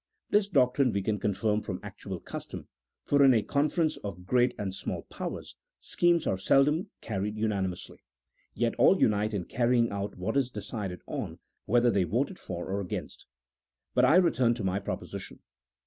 This doctrine we can confirm from actual custom, for in a conference of great and small powers, schemes are seldom carried unanimously, yet all unite in carrying out what is decided on, whether they voted for or against. But I return to my proposition.